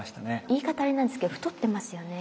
言い方あれなんですけど太ってますよね